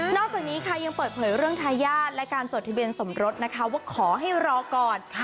จากนี้ค่ะยังเปิดเผยเรื่องทายาทและการจดทะเบียนสมรสนะคะว่าขอให้รอก่อน